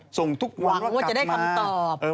ส่งทุกวันว่ากลับมาหวังว่าจะได้คำตอบ